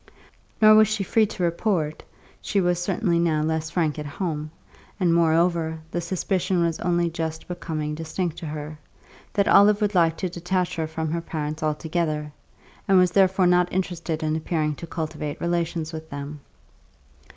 Nor was she free to report (she was certainly now less frank at home, and, moreover, the suspicion was only just becoming distinct to her) that Olive would like to detach her from her parents altogether, and was therefore not interested in appearing to cultivate relations with them.